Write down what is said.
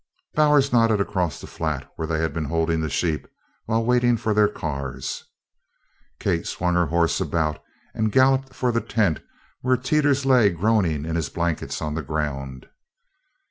Bowers nodded across the flat where they had been holding the sheep while waiting for their cars. Kate swung her horse about and galloped for the tent where Teeters lay groaning in his blankets on the ground.